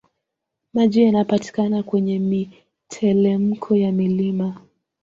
Maji yanapatikana kwenye mitelemko ya mlima